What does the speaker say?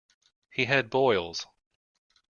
He had boils.